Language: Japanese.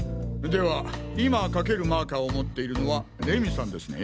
では今書けるマーカーを持っているのは礼美さんですね？